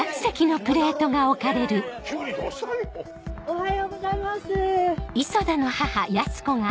おはようございます。